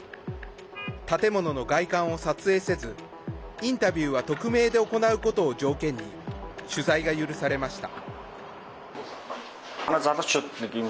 建物の外観を撮影せずインタビューは匿名で行うことを条件に取材が許されました。